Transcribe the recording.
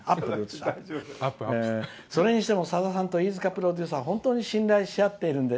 それにしても、さださんと飯塚プロデューサーは本当に信頼しあっているんで」。